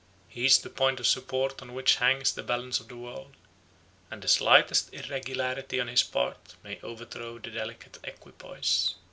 He is the point of support on which hangs the balance of the world, and the slightest irregularity on his part may overthrow the delicate equipoise.